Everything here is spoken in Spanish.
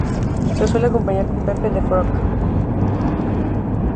Se suele acompañar con Pepe the Frog.